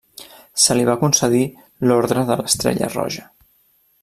Se li va concedir l'Orde de l'Estrella Roja.